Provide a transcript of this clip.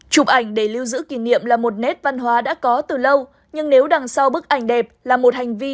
chụp ảnh để lưu giữ kỷ niệm là một nét văn hóa đã có từ lâu nhưng nếu đằng sau bức ảnh đẹp là một hành vi